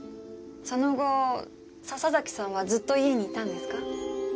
その後笹崎さんはずっと家にいたんですか？